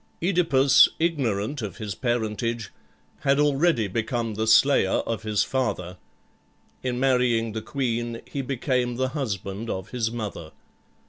OEdipus, ignorant of his parentage, had already become the slayer of his father; in marrying the queen he became the husband of his mother.